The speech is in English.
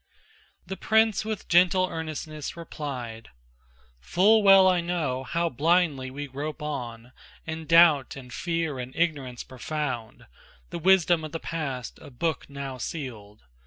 The prince with gentle earnestness replied: "Full well I know how blindly we grope on In doubt and fear and ignorance profound, The wisdom of the past a book now sealed.